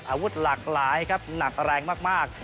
อาวุธหลากหลายครับหนักแรงมาก